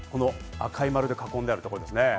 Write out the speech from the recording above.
赤い丸で囲んであるところです。